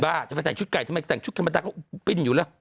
ตายป้ะจะไปแต่ชุดไก่ทำไมแต่ชุดธรรมดาก็ปิ้นอยู่แหละ